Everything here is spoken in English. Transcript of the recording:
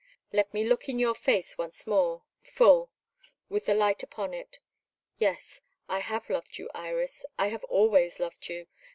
"Let me look in your face once more so full with the light upon it. Yes; I have loved you, Iris I have always loved you.